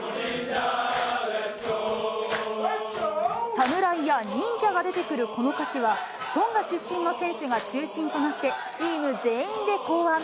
侍や忍者が出てくるこの歌詞は、トンガ出身の選手が中心となって、チーム全員で考案。